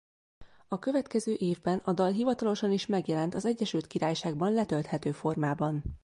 A következő évben a dal hivatalosan is megjelent az Egyesült Királyságban letölthető formában.